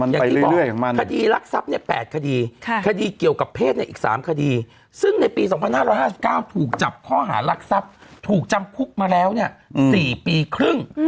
อย่างที่บอกคดีรักทรัพย์๘คดีคดีเกี่ยวกับเพศอีก๓คดีซึ่งในปี๒๕๕๙ถูกจับข้อหารักทรัพย์ถูกจำคุกมาแล้ว๔ปีครึ่ง